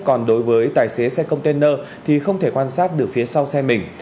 còn đối với tài xế xe container thì không thể quan sát được phía sau xe mình